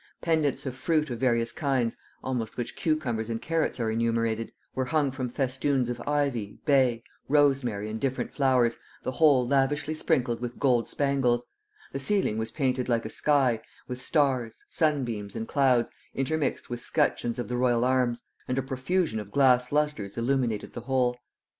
Pendants of fruits of various kinds (amongst which cucumbers and carrots are enumerated) were hung from festoons of ivy, bay, rosemary, and different flowers, the whole lavishly sprinkled with gold spangles: the ceiling was painted like a sky, with stars, sunbeams, and clouds, intermixed with scutcheons of the royal arms; and a profusion of glass lustres illuminated the whole.